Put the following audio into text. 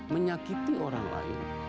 menyakiti orang lain